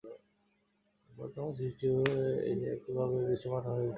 বর্তমান সৃষ্টিও সেই একভাবেই দৃশ্যমান হয়ে উঠেছে।